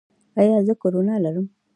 ایا زه کرونا لرم؟